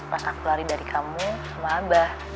pas aku lari dari kamu sama abah